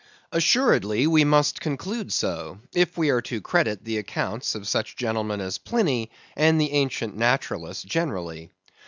Assuredly, we must conclude so, if we are to credit the accounts of such gentlemen as Pliny, and the ancient naturalists generally.